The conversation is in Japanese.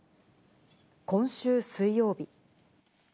今週水曜日。